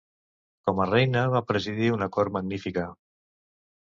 Com a reina, va presidir una cort magnífica.